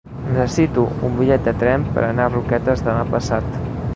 Necessito un bitllet de tren per anar a Roquetes demà passat.